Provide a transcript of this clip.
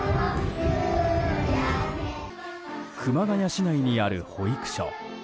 熊谷市内にある保育所。